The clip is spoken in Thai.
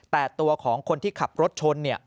แต่ตัวของคนที่ขับรถชน